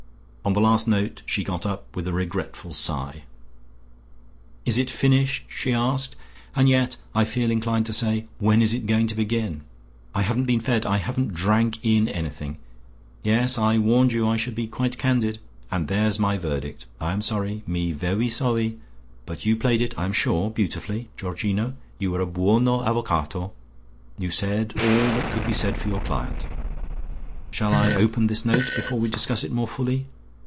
On the last note she got up with a regretful sigh. "Is it finished?" she asked. "And yet I feel inclined to say 'When is it going to begin?' I haven't been fed; I haven't drank in anything. Yes, I warned you I should be quite candid. And there's my verdict. I am sorry. Me vewy sowwy! But you played it, I am sure, beautifully, Georgino; you were a buono avvocato; you said all that could be said for your client. Shall I open this note before we discuss it more fully?